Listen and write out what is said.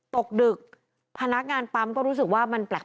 ตกดึกพนักงานปั๊มก็รู้สึกว่ามันแปลก